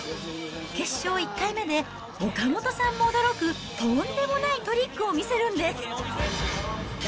決勝１回目で、岡本さんも驚くとんでもないトリックを見せるんです。